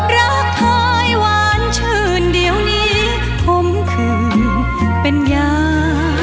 รักไทยหวานชื่นเดี๋ยวนี้ผมเคยเป็นยา